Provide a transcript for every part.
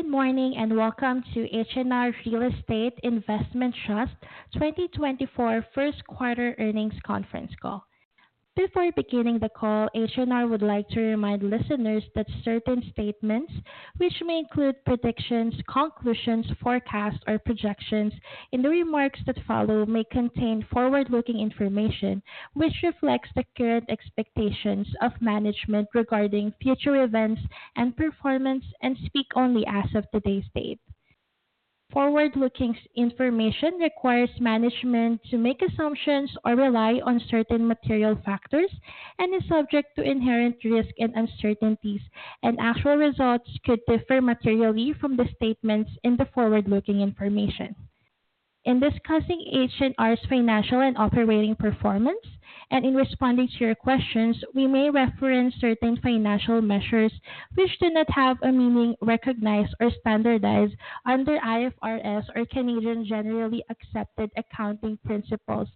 Good morning, and welcome to H&R Real Estate Investment Trust 2024 first quarter earnings conference call. Before beginning the call, H&R would like to remind listeners that certain statements, which may include predictions, conclusions, forecasts, or projections in the remarks that follow, may contain forward-looking information, which reflects the current expectations of management regarding future events and performance and speak only as of today's date. Forward-looking information requires management to make assumptions or rely on certain material factors and is subject to inherent risk and uncertainties, and actual results could differ materially from the statements in the forward-looking information. In discussing H&R's financial and operating performance, and in responding to your questions, we may reference certain financial measures which do not have a meaning recognized or standardized under IFRS or Canadian generally accepted accounting principles,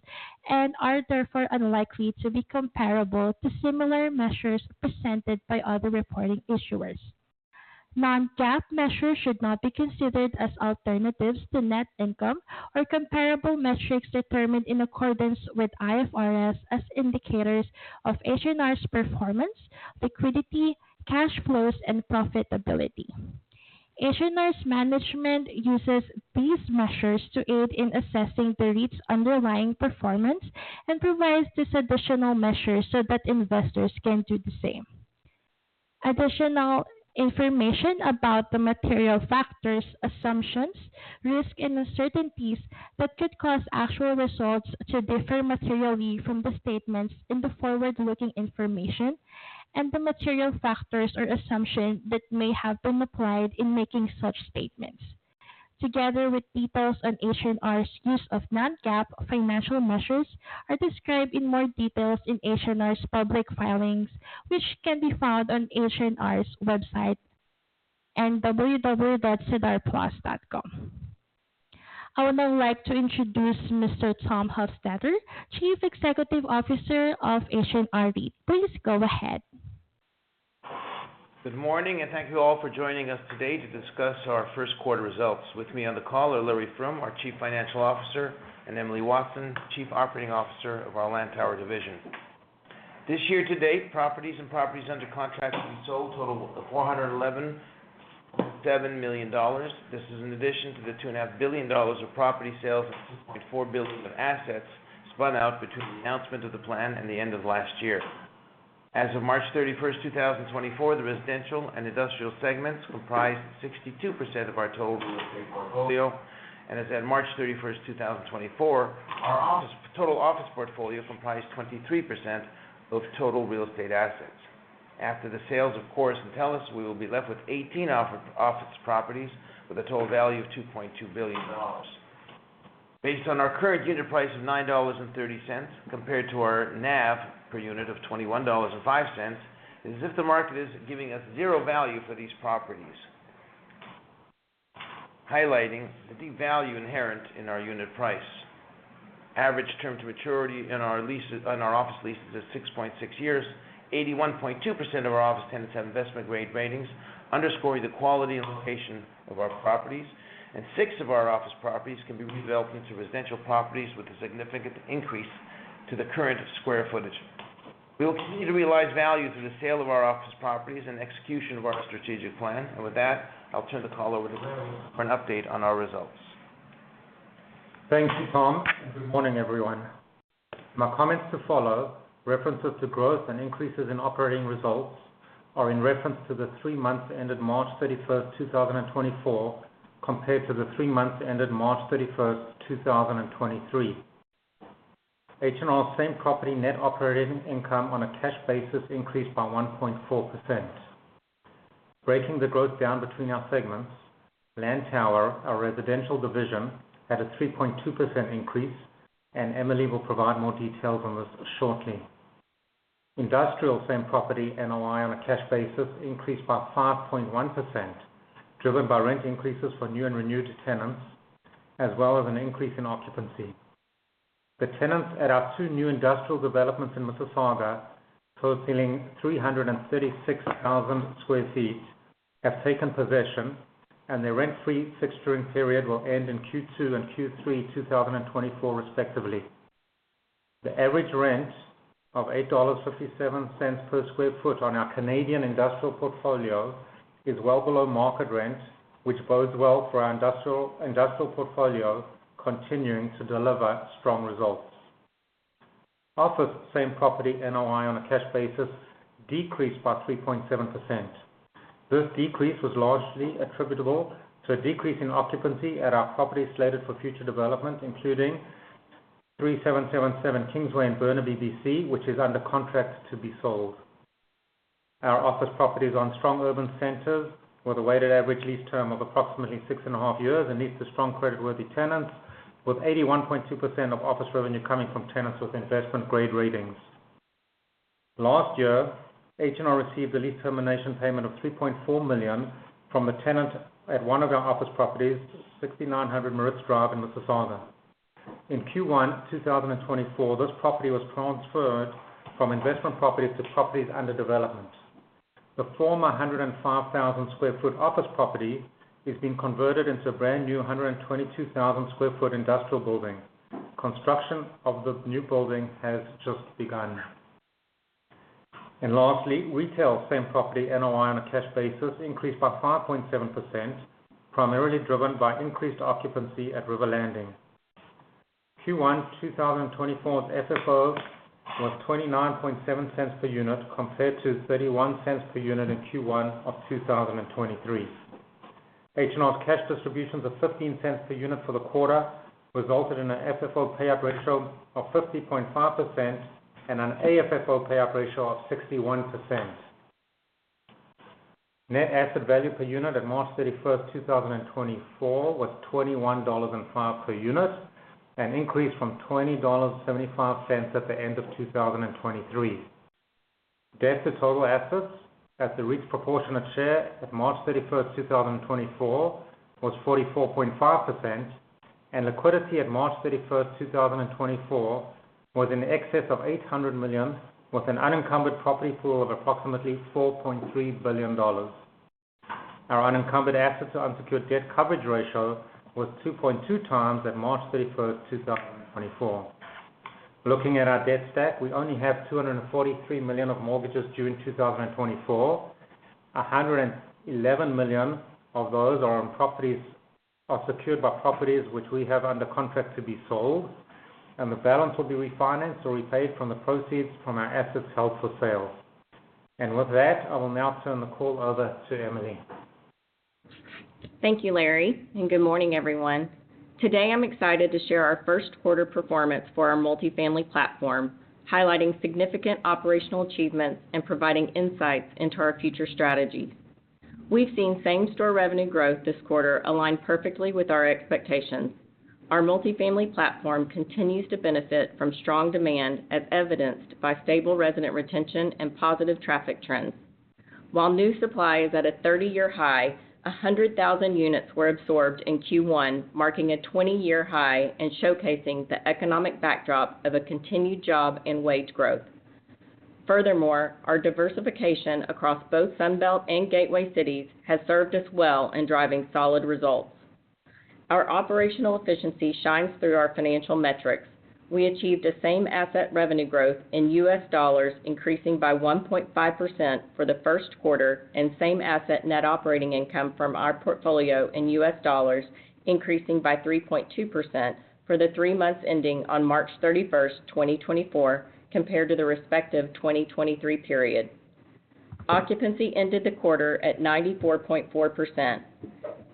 and are therefore unlikely to be comparable to similar measures presented by other reporting issuers. Non-GAAP measures should not be considered as alternatives to net income or comparable metrics determined in accordance with IFRS as indicators of H&R's performance, liquidity, cash flows, and profitability. H&R's management uses these measures to aid in assessing the REIT's underlying performance and provides this additional measure so that investors can do the same. Additional information about the material factors, assumptions, risk, and uncertainties that could cause actual results to differ materially from the statements in the forward-looking information and the material factors or assumptions that may have been applied in making such statements, together with details on H&R's use of non-GAAP financial measures, are described in more details in H&R's public filings, which can be found on H&R's website and www.sedarplus.com. I would now like to introduce Mr. Tom Hofstedter, Chief Executive Officer of H&R REIT. Please go ahead. Good morning, and thank you all for joining us today to discuss our first quarter results. With me on the call are Larry Froom, our Chief Financial Officer, and Emily Watson, Chief Operating Officer of our Lantower division. This year to date, properties and properties under contract to be sold total 417 million dollars. This is in addition to the 2.5 billion dollars of property sales and 2.4 billion of assets spun out between the announcement of the plan and the end of last year. As of March thirty-first, two thousand and twenty-four, the residential and industrial segments comprised 62% of our total real estate portfolio, and as at March thirty-first, two thousand and twenty-four, our total office portfolio comprised 23% of total real estate assets. After the sales, of course and TELUS, we will be left with 18 office, office properties with a total value of 2.2 billion dollars. Based on our current unit price of 9.30 dollars, compared to our NAV per unit of 21.05 dollars, as if the market is giving us zero value for these properties, highlighting the deep value inherent in our unit price. Average term to maturity in our leases, on our office leases is 6.6 years. 81.2% of our office tenants have investment-grade ratings, underscoring the quality and location of our properties, and six of our office properties can be redeveloped into residential properties with a significant increase to the current square footage. We will continue to realize value through the sale of our office properties and execution of our strategic plan. With that, I'll turn the call over to Larry for an update on our results. Thank you, Tom, and good morning, everyone. My comments to follow. References to growth and increases in operating results are in reference to the three months ended March 31, 2024, compared to the three months ended March 31, 2023. H&R same property net operating income on a cash basis increased by 1.4%. Breaking the growth down between our segments, Lantower, our residential division, had a 3.2% increase, and Emily will provide more details on this shortly. Industrial same property NOI on a cash basis increased by 5.1%, driven by rent increases for new and renewed tenants, as well as an increase in occupancy. The tenants at our two new industrial developments in Mississauga, totaling 336,000 sq ft, have taken possession, and their rent-free fixturing period will end in Q2 and Q3 2024, respectively. The average rent of 8.57 dollars per sq ft on our Canadian industrial portfolio is well below market rent, which bodes well for our industrial, industrial portfolio, continuing to deliver strong results. Office same property NOI on a cash basis decreased by 3.7%. This decrease was largely attributable to a decrease in occupancy at our properties slated for future development, including 3777 Kingsway in Burnaby, BC, which is under contract to be sold. Our office properties are in strong urban centers with a weighted average lease term of approximately 6.5 years and leases to strong creditworthy tenants, with 81.2% of office revenue coming from tenants with investment-grade ratings. Last year, H&R received a lease termination payment of 3.4 million from a tenant at one of our office properties, 6900 Maritz Drive in Mississauga. In Q1 2024, this property was transferred from investment properties to properties under development. The former 105,000 sq ft office property is being converted into a brand new 122,000 sq ft industrial building. Construction of the new building has just begun. And lastly, retail same property NOI on a cash basis increased by 5.7%, primarily driven by increased occupancy at River Landing. Q1 2024's FFO was 0.297 per unit, compared to 0.31 per unit in Q1 of 2023. H&R's cash distributions of 0.15 per unit for the quarter resulted in an FFO payout ratio of 50.5% and an AFFO payout ratio of 61%. Net asset value per unit at March 31, 2024, was 21.05 dollars per unit, an increase from 20.75 dollars at the end of 2023. Debt to total assets at the REIT's proportionate share at March 31, 2024, was 44.5%, and liquidity at March 31, 2024, was in excess of 800 million, with an unencumbered property pool of approximately 4.3 billion dollars. Our unencumbered assets to unsecured debt coverage ratio was 2.2 times at March 31st, 2024. Looking at our debt stack, we only have 243 million of mortgages due in 2024. 111 million of those are secured by properties which we have under contract to be sold, and the balance will be refinanced or repaid from the proceeds from our assets held for sale. With that, I will now turn the call over to Emily. Thank you, Larry, and good morning, everyone. Today, I'm excited to share our first quarter performance for our multifamily platform, highlighting significant operational achievements and providing insights into our future strategies. We've seen same-store revenue growth this quarter align perfectly with our expectations. Our multifamily platform continues to benefit from strong demand, as evidenced by stable resident retention and positive traffic trends. While new supply is at a 30-year high, 100,000 units were absorbed in Q1, marking a 20-year high and showcasing the economic backdrop of a continued job and wage growth. Furthermore, our diversification across both Sunbelt and Gateway Cities has served us well in driving solid results. Our operational efficiency shines through our financial metrics. We achieved the same asset revenue growth in U.S. dollars, increasing by 1.5% for the first quarter, and same asset net operating income from our portfolio in U.S. dollars, increasing by 3.2% for the three months ending on March 31, 2024, compared to the respective 2023 period. Occupancy ended the quarter at 94.4%.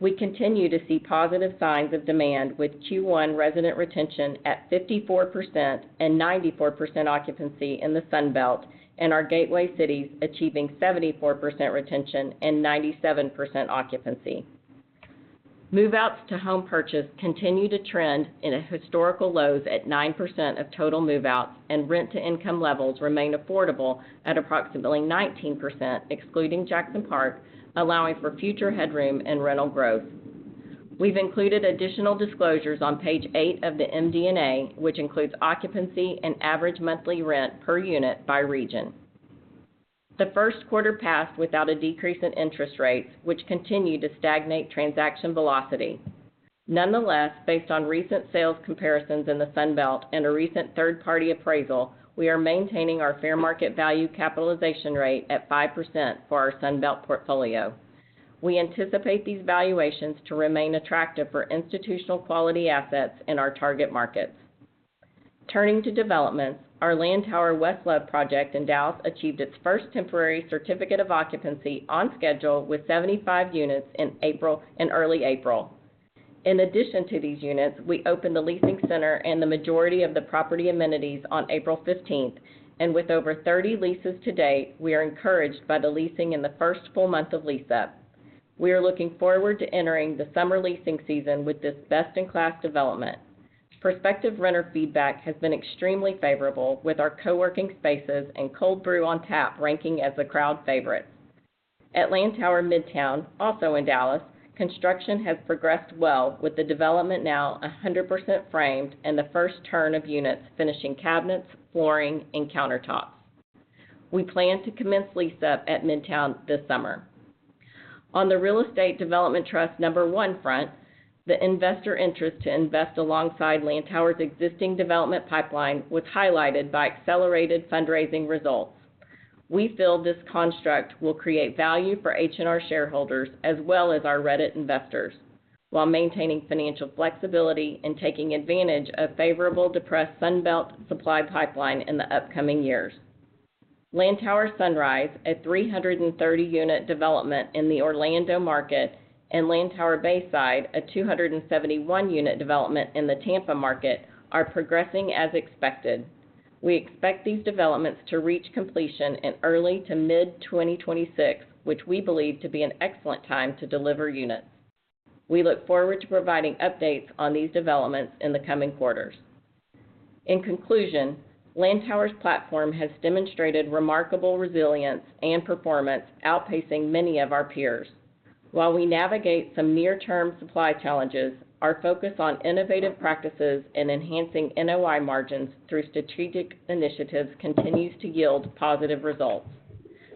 We continue to see positive signs of demand, with Q1 resident retention at 54% and 94% occupancy in the Sun Belt, and our gateway cities achieving 74% retention and 97% occupancy. Move-outs to home purchase continue to trend in a historical lows at 9% of total move-outs, and rent-to-income levels remain affordable at approximately 19%, excluding Jackson Park, allowing for future headroom and rental growth. We've included additional disclosures on page 8 of the MD&A, which includes occupancy and average monthly rent per unit by region. The first quarter passed without a decrease in interest rates, which continued to stagnate transaction velocity. Nonetheless, based on recent sales comparisons in the Sun Belt and a recent third-party appraisal, we are maintaining our fair market value capitalization rate at 5% for our Sun Belt portfolio. We anticipate these valuations to remain attractive for institutional quality assets in our target markets. Turning to developments, our Lantower West Love project in Dallas achieved its first temporary certificate of occupancy on schedule with 75 units in April and early April. In addition to these units, we opened the leasing center and the majority of the property amenities on April fifteenth, and with over 30 leases to date, we are encouraged by the leasing in the first full month of lease up. We are looking forward to entering the summer leasing season with this best-in-class development. Prospective renter feedback has been extremely favorable, with our co-working spaces and cold brew on tap ranking as a crowd favorite. At Lantower Midtown, also in Dallas, construction has progressed well, with the development now 100% framed and the first turn of units finishing cabinets, flooring, and countertops. We plan to commence lease up at Midtown this summer. On the Real Estate Development Trust number 1 front, the investor interest to invest alongside Lantower's existing development pipeline was highlighted by accelerated fundraising results. We feel this construct will create value for H&R shareholders as well as our REDT investors, while maintaining financial flexibility and taking advantage of favorable depressed Sun Belt supply pipeline in the upcoming years. Lantower Sunrise, a 330-unit development in the Orlando market, and Lantower Bayside, a 271-unit development in the Tampa market, are progressing as expected. We expect these developments to reach completion in early to mid-2026, which we believe to be an excellent time to deliver units. We look forward to providing updates on these developments in the coming quarters.... In conclusion, Lantower's platform has demonstrated remarkable resilience and performance, outpacing many of our peers. While we navigate some near-term supply challenges, our focus on innovative practices and enhancing NOI margins through strategic initiatives continues to yield positive results.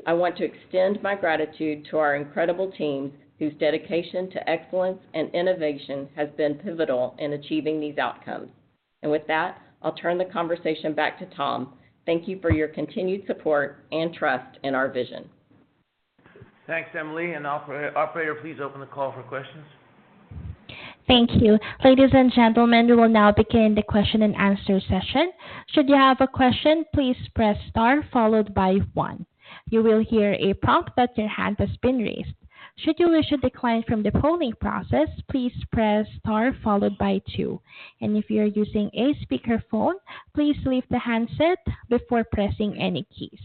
I want to extend my gratitude to our incredible team, whose dedication to excellence and innovation has been pivotal in achieving these outcomes. With that, I'll turn the conversation back to Tom. Thank you for your continued support and trust in our vision. Thanks, Emily, and operator, please open the call for questions. Thank you. Ladies and gentlemen, we will now begin the question-and-answer session. Should you have a question, please press Star followed by one. You will hear a prompt that your hand has been raised. Should you wish to decline from the polling process, please press Star followed by two. And if you are using a speakerphone, please leave the handset before pressing any keys.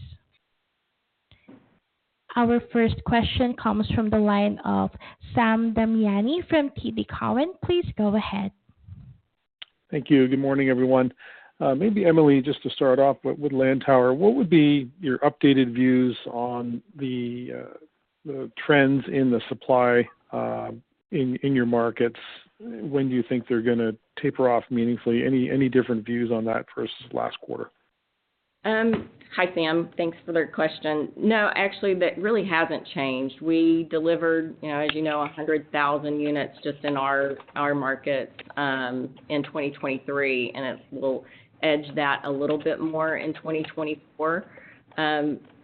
Our first question comes from the line of Sam Damiani from TD Cowen. Please go ahead. Thank you. Good morning, everyone. Maybe Emily, just to start off with, with Lantower, what would be your updated views on the, the trends in the supply in your markets? When do you think they're gonna taper off meaningfully? Any, any different views on that versus last quarter? Hi, Sam. Thanks for the question. No, actually, that really hasn't changed. We delivered, you know, as you know, 100,000 units just in our markets in 2023, and it will edge that a little bit more in 2024.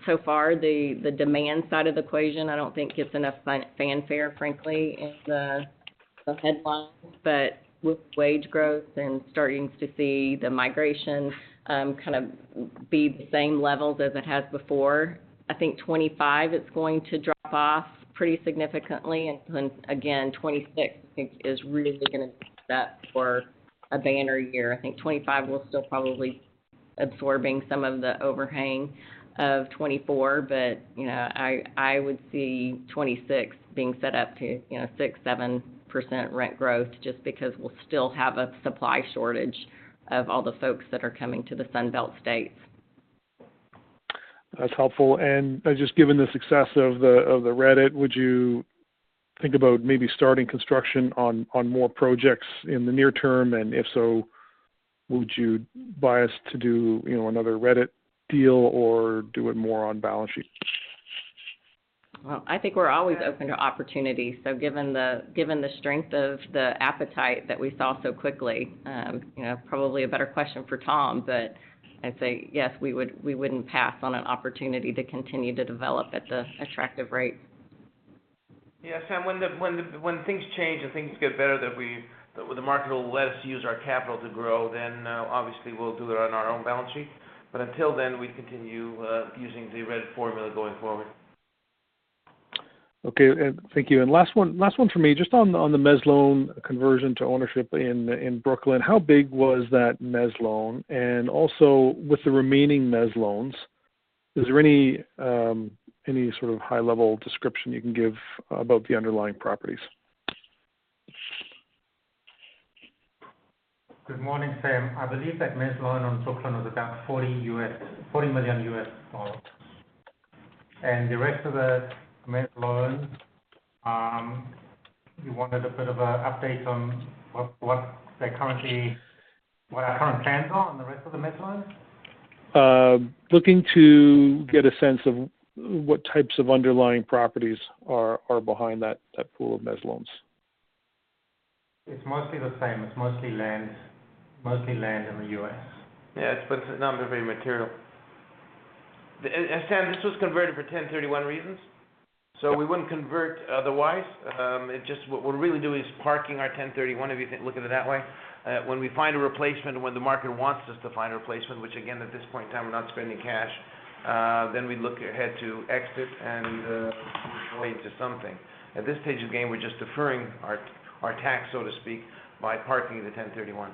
So far, the demand side of the equation, I don't think, gets enough fanfare, frankly, in the headlines. But with wage growth and starting to see the migration kind of be the same levels as it has before, I think 2025, it's going to drop off pretty significantly. And then again, 2026, I think, is really gonna be set for a banner year. I think 2025 will still probably absorbing some of the overhang of 2024, but, you know, I, I would see 2026 being set up to, you know, 6%-7% rent growth just because we'll still have a supply shortage of all the folks that are coming to the Sun Belt states. That's helpful. Just given the success of the REDT, would you think about maybe starting construction on more projects in the near term? And if so, would you bias to do, you know, another REDT deal or do it more on balance sheet? Well, I think we're always open to opportunities. So given the, given the strength of the appetite that we saw so quickly, you know, probably a better question for Tom, but I'd say, yes, we would, we wouldn't pass on an opportunity to continue to develop at the attractive rate. Yeah, Sam, when things change and things get better, that the market will let us use our capital to grow, then, obviously we'll do it on our own balance sheet. But until then, we continue using the REDT formula going forward. Okay, and thank you. And last one, last one for me. Just on, on the mezz loan conversion to ownership in, in Brooklyn, how big was that mezz loan? And also, with the remaining mezz loans, is there any, any sort of high-level description you can give about the underlying properties? Good morning, Sam. I believe that mezz loan on Brooklyn was about $40 million. And the rest of the mezz loans, you wanted a bit of a update on what our current plans are on the rest of the mezz loans? Looking to get a sense of what types of underlying properties are behind that pool of mezz loans. It's mostly the same. It's mostly land, mostly land in the U.S. Yeah, it's but not very material. And Sam, this was converted for 1031 reasons, so we wouldn't convert otherwise. It just, what we're really doing is parking our 1031, if you look at it that way. When we find a replacement, when the market wants us to find a replacement, which again, at this point in time, we're not spending cash, then we'd look ahead to exit and relate to something. At this stage of the game, we're just deferring our, our tax, so to speak, by parking the 1031.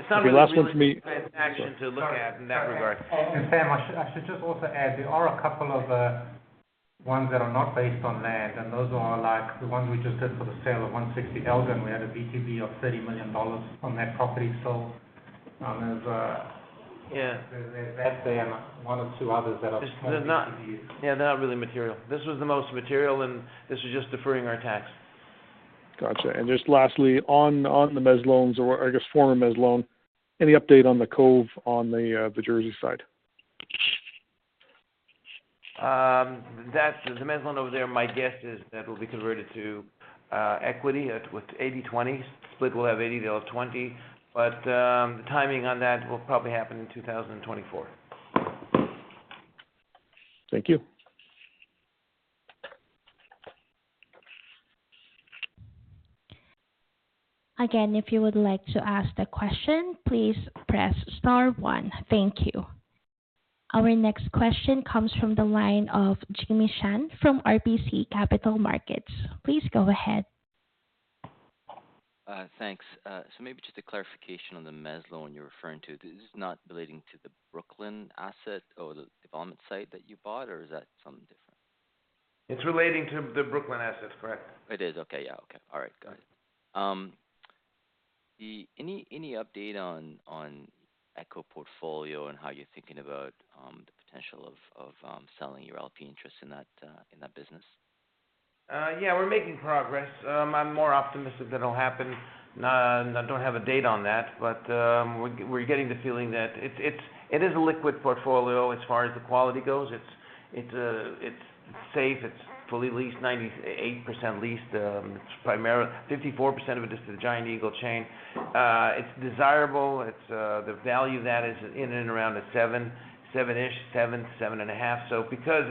Okay, last one for me- Transaction to look at in that regard. Sam, I should just also add, there are a couple of ones that are not based on land, and those are like the one we just did for the sale of 160 Elgin. We had a VTB of 30 million dollars on that property sold. There's a- Yeah. There's that and one or two others that are- They're not... Yeah, they're not really material. This was the most material, and this was just deferring our tax. Gotcha. And just lastly, on the mezz loans or I guess former mezz loan, any update on The Cove on the Jersey side? That's the mezz loan over there. My guess is that will be converted to equity. With 80-20 split, we'll have 80, they'll have 20. But, the timing on that will probably happen in 2024. Thank you. Again, if you would like to ask the question, please press star one. Thank you. Our next question comes from the line of Jimmy Shan from RBC Capital Markets. Please go ahead. Thanks. Maybe just a clarification on the mezz loan you're referring to. This is not relating to the Brooklyn asset or the development site that you bought, or is that something different?... It's relating to the Brooklyn assets, correct? It is. Okay. Yeah, okay. All right, got it. Any update on the Echo Portfolio and how you're thinking about the potential of selling your LP interest in that business? Yeah, we're making progress. I'm more optimistic that it'll happen. And I don't have a date on that, but we're getting the feeling that it's a liquid portfolio as far as the quality goes. It's safe. It's fully leased, 98% leased. It's primarily 54% of it is the Giant Eagle chain. It's desirable. It's the value of that is in and around 7, 7-ish, 7, 7.5. So because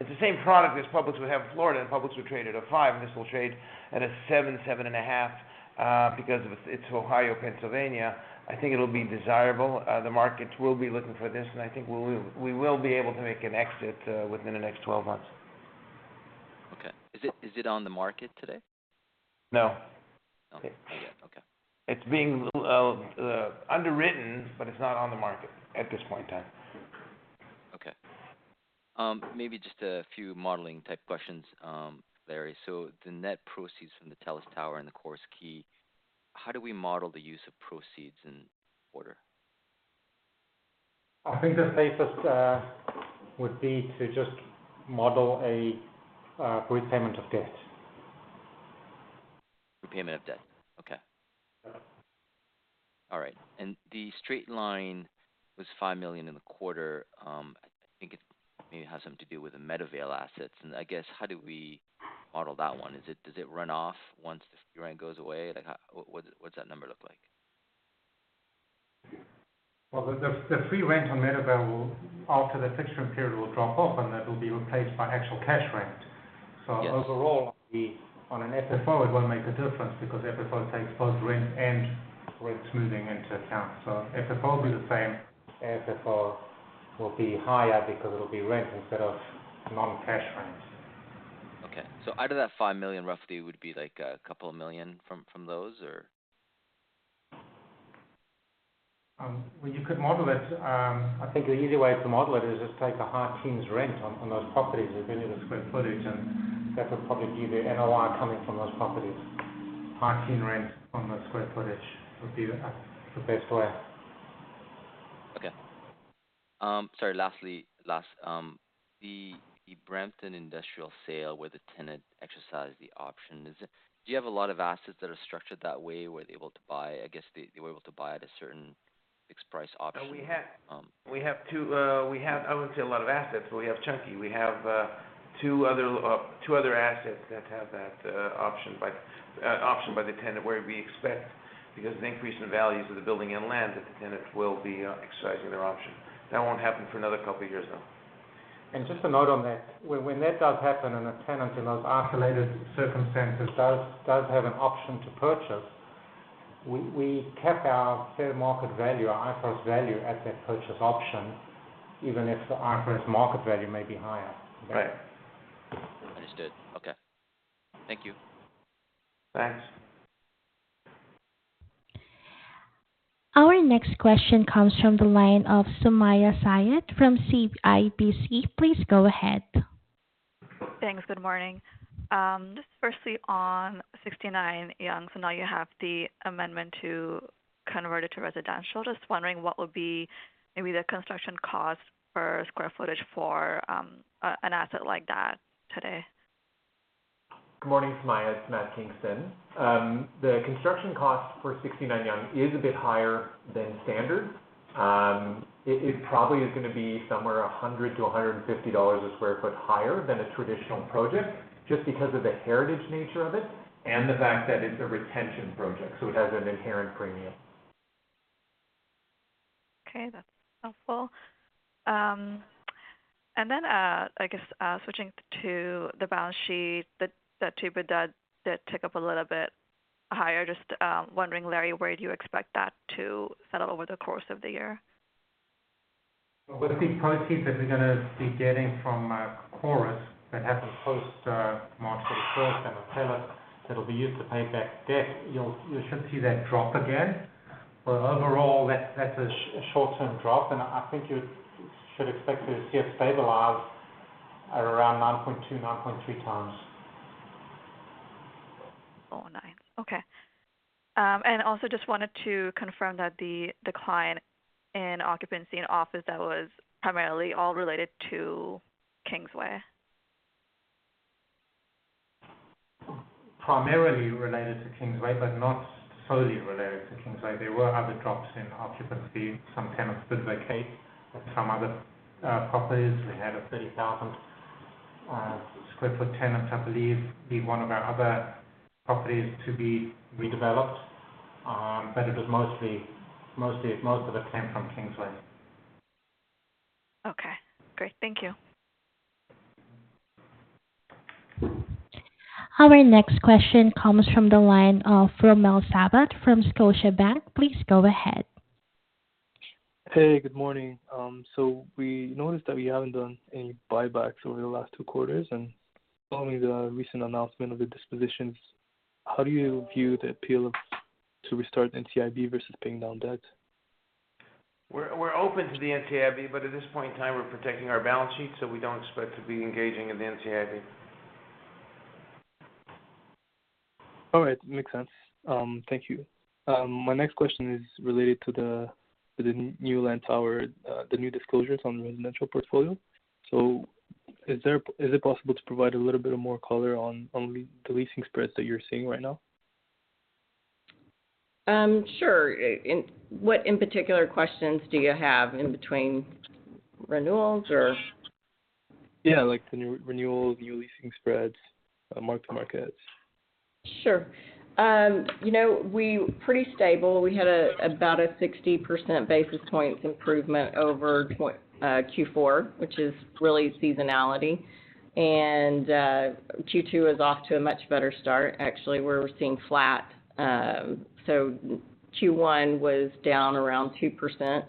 it's the same product as Publix would have in Florida, and Publix would trade at a 5, and this will trade at 7, 7.5, because it's Ohio, Pennsylvania. I think it'll be desirable. The markets will be looking for this, and I think we will be able to make an exit within the next 12 months. Okay. Is it, is it on the market today? No. Okay. Not yet. Okay. It's being underwritten, but it's not on the market at this point in time. Okay. Maybe just a few modeling type questions, Larry. So the net proceeds from the TELUS Tower and the Corus Quay, how do we model the use of proceeds in order? I think the safest would be to just model a prepayment of debt. Prepayment of debt. Okay. All right. And the straight line was 5 million in the quarter. I think it maybe has something to do with the Meadowvale assets. And I guess, how do we model that one? Is it - does it run off once the free rent goes away? Like, how - what, what's that number look like? Well, the free rent on Meadowvale will, after the fixture period, drop off, and that will be replaced by actual cash rent. Yes. Overall, on an FFO, it won't make a difference because FFO takes both rent and rent smoothing into account. FFO will be the same. FFO will be higher because it'll be rent instead of non-cash rent. Okay. So out of that 5 million, roughly, would be like a couple of million from those, or? Well, you could model it. I think the easy way to model it is just take a high teens rent on, on those properties if you need the square footage, and that will probably give you the NOI coming from those properties. High teen rent on the square footage would be the, the best way. Okay. Sorry, lastly, the Brampton industrial sale where the tenant exercised the option, is it... Do you have a lot of assets that are structured that way, where they're able to buy? I guess they were able to buy at a certain fixed price option. We have two. I wouldn't say a lot of assets, but we have chunky. We have two other assets that have that option by the tenant, where we expect, because of the increase in the values of the building and land, that the tenants will be exercising their option. That won't happen for another couple of years, though. Just a note on that, when that does happen, and a tenant in those isolated circumstances does have an option to purchase, we cap our fair market value, our IFRS value, at that purchase option, even if the IFRS market value may be higher. Right. Understood. Okay. Thank you. Thanks. Our next question comes from the line of Sumaiya Syed from CIBC. Please go ahead. Thanks. Good morning. Just firstly, on 69 Yonge, so now you have the amendment to convert it to residential. Just wondering what would be maybe the construction cost per square footage for an asset like that today? Good morning, Sumaiya. It's Matt Kingston. The construction cost for 69 Yonge is a bit higher than standard. It probably is gonna be somewhere 100-150 dollars per sq ft higher than a traditional project, just because of the heritage nature of it and the fact that it's a retention project, so it has an inherent premium. Okay, that's helpful. And then, I guess, switching to the balance sheet, the debt up did tick up a little bit higher. Just wondering, Larry, where do you expect that to settle over the Corus of the year? Well, with the proceeds that we're gonna be getting from Corus Quay, that happens post March 31st, and the latter that will be used to pay back debt, you'll you should see that drop again. But overall, that's a short-term drop, and I think you should expect to see it stabilize at around 9.2, 9.3 times. Oh, nine. Okay. And also just wanted to confirm that the decline in occupancy and office, that was primarily all related to Kingsway. Primarily related to Kingsway, but not solely related to Kingsway. There were other drops in occupancy. Some tenants did vacate, but some other properties, we had a 30,000 sq ft tenant, I believe, be one of our other properties to be redeveloped. But it was mostly, most of it came from Kingsway. Okay, great. Thank you. Our next question comes from the line of Romel Sabat from Scotiabank. Please go ahead. Hey, good morning. We noticed that we haven't done any buybacks over the last two quarters, and following the recent announcement of the dispositions, how do you view the appeal of to restart NCIB versus paying down debt?... We're open to the NCIB, but at this point in time, we're protecting our balance sheet, so we don't expect to be engaging in the NCIB. All right. Makes sense. Thank you. My next question is related to the new Lantower, the new disclosures on the residential portfolio. So, is it possible to provide a little bit more color on the leasing spreads that you're seeing right now? Sure. What, in particular, questions do you have in between renewals or? Yeah, like the new renewals, new leasing spreads, mark-to-markets. Sure. You know, we're pretty stable. We had about 60 basis points improvement over Q4, which is really seasonality. And Q2 is off to a much better start. Actually, we're seeing flat. So Q1 was down around 2%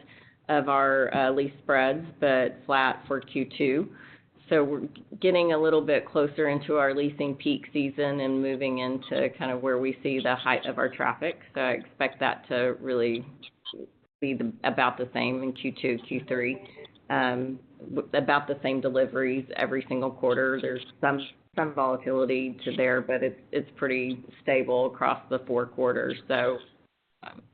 of our lease spreads, but flat for Q2. So we're getting a little bit closer into our leasing peak season and moving into kind of where we see the height of our traffic. So I expect that to really be about the same in Q2, Q3. About the same deliveries every single quarter. There's some volatility to there, but it's pretty stable across the four quarters. So,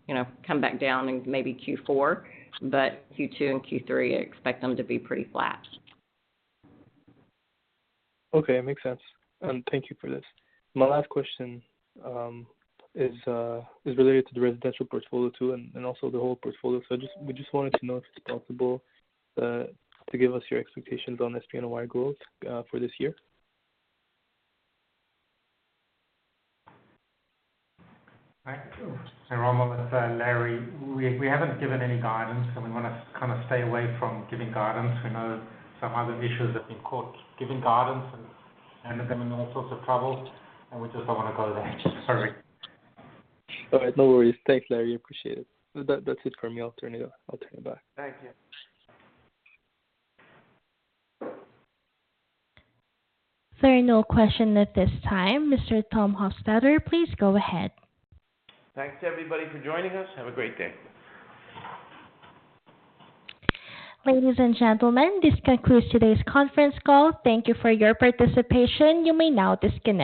you know, come back down in maybe Q4, but Q2 and Q3, I expect them to be pretty flat. Okay, it makes sense. Thank you for this. My last question is related to the residential portfolio, too, and also the whole portfolio. So we just wanted to know if it's possible to give us your expectations on same-property NOI growth for this year? Hi, Romel, it's Larry. We haven't given any guidance, and we wanna kind of stay away from giving guidance. We know some other issuers have been caught giving guidance and them in all sorts of trouble, and we just don't want to go there. Sorry. All right, no worries. Thanks, Larry. Appreciate it. So that's it for me. I'll turn it over, I'll turn it back. Thank you. There are no questions at this time. Mr. Tom Hofstedter, please go ahead. Thanks, everybody, for joining us. Have a great day. Ladies and gentlemen, this concludes today's conference call. Thank you for your participation. You may now disconnect.